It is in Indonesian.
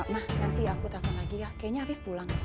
mah nanti aku telpon lagi ya kayaknya afif pulang